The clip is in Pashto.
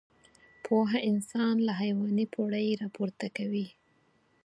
پوهه انسان له حيواني پوړۍ راپورته کوي.